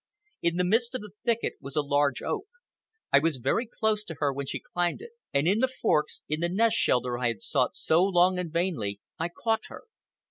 In the midst of the thicket was a large oak. I was very close to her when she climbed it; and in the forks, in the nest shelter I had sought so long and vainly, I caught her.